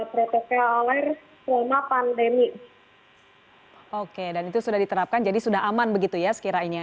protokoler selama pandemi oke dan itu sudah diterapkan jadi sudah aman begitu ya sekiranya